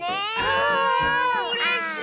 あうれしい！